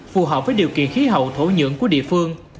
phù hợp với điều kiện khí hậu thổ nhưỡng của địa phương